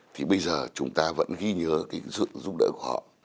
thì bây giờ chúng ta vẫn ghi nhớ cái sự giúp đỡ của họ